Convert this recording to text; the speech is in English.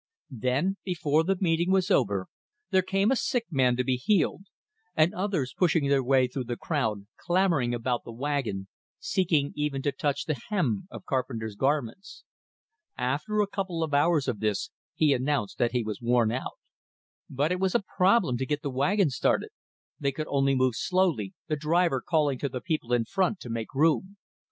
Then, before the meeting was over, there came a sick man to be healed; and others, pushing their way through the crowd, clamoring about the wagon, seeking even to touch the hem of Carpenter's garments. After a couple of hours of this he announced that he was worn out. But it was a problem to get the wagon started; they could only move slowly, the driver calling to the people in front to make room.